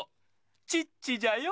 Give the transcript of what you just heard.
チッチじゃよ。